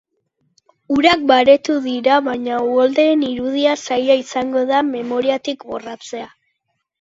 Urak baretu dira baina uholdeen irudia zaila izango da memoriatik borratzea.